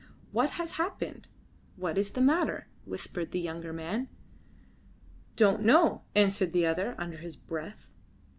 "What has happened? What is the matter?" whispered the younger man. "Don't know," answered the other, under his breath.